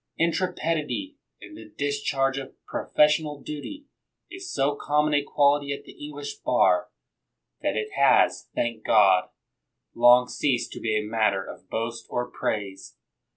Intrepidity in the discharge of professional duty is so common a quality at the English bar, that it has, thank God, long ceased to be a matter of boast or praise.